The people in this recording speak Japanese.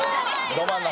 ど真ん中。